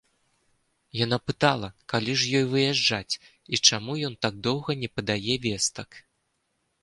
Яна пытала, калі ж ёй выязджаць і чаму ён так доўга не падае вестак.